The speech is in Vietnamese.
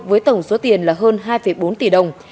với tổng số tiền là hơn hai bốn tỷ đồng